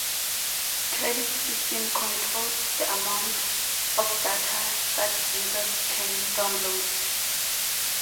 Credit system controls the amount of data that users can download.